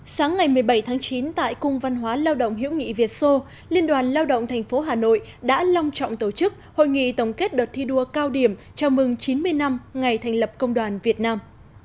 sáng ngày một mươi bảy tháng chín tại cung văn hóa lao động hiệu nghị việt sô liên đoàn lao động tp hà nội đã long trọng tổ chức hội nghị tổng kết đợt thi đua cao điểm chào mừng chín mươi năm ngày thành lập công đoàn việt nam